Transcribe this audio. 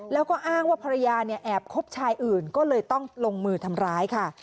แล้วก็อ้างว่าภรรยาเนี่ยแอบคบชายอื่นก็เลยต้องลงมือทำร้ายค่ะ